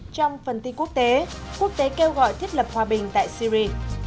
trong phần tin quốc tế quốc tế kêu gọi thiết lập hòa bình tại syri